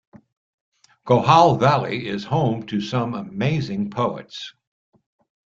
Gojal Valley is home to some amazing poets.